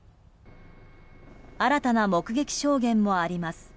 新たな目撃証言もあります。